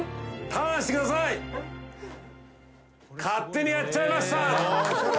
勝手にやっちゃいました。